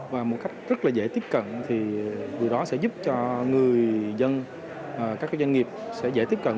và một cách rất là dễ tiếp cận thì điều đó sẽ giúp cho người dân các doanh nghiệp sẽ dễ tiếp cận